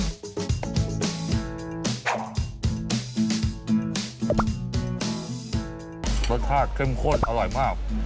รสชาติเข้มข้นอร่อยมาก